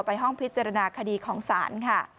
ไปห้องพิจารณาคดีของศาล